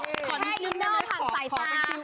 แค่อินเนอร์ผ่างใส่ฟ้า